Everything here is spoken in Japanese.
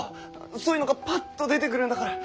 そういうのがパッと出てくるんだから。